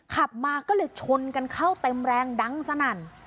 ขับมาก็เลยชนกันเข้าเต็มแรงดังสนั่น